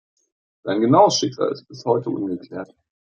Sein genaues Schicksal ist bis heute ungeklärt.